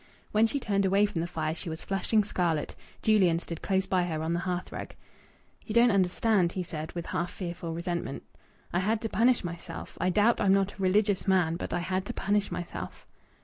When she turned away from the fire she was flushing scarlet. Julian stood close by her on the hearth rug. "You don't understand," he said, with half fearful resentment. "I had to punish myself. I doubt I'm not a religious man, but I had to punish myself.